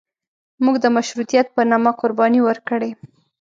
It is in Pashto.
موږ د مشروطیت په نامه قرباني ورکړې.